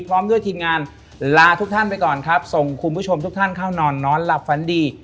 พร้อมด้วยทีมงานลาทุกท่านไปก่อนครับส่งคุณผู้ชมทุกท่านเข้านอนนอนหลับฝันดี